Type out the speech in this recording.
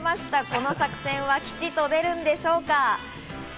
この作戦は吉と出るんでしょうか？